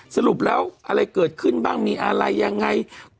สรุปแล้วอะไรเกิดขึ้นบ้างมีอะไรยังไง